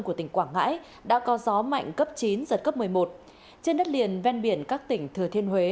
của tỉnh quảng ngãi đã có gió mạnh cấp chín giật cấp một mươi một trên đất liền ven biển các tỉnh thừa thiên huế